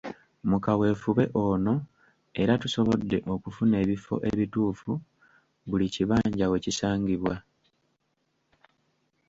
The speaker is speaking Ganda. Mu kaweefube ono era tusobodde okufuna ebifo ebituufu buli kibanja we kisangibwa.